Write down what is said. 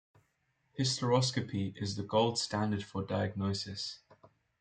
Hysteroscopy is the gold standard for diagnosis.